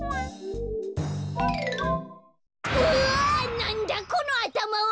なんだこのあたまは！？